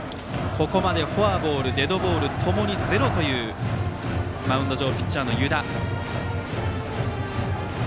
ここまでフォアボールデッドボールともにゼロというマウンド上ピッチャーの湯田。